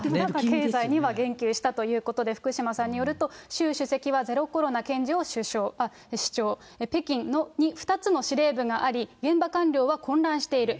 経済には言及したということで、福島さんによると、習主席はゼロコロナ堅持を主張、北京に２つの司令部があり、現場官僚は混乱している。